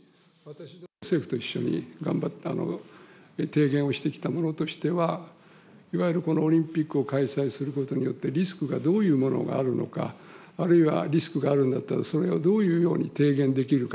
政府と一緒に頑張って提言をしてきたものとしては、いわゆるこのオリンピックを開催することによって、リスクがどういうものがあるのか、あるいはリスクがあるんだったら、それをどういうふうに提言できるか。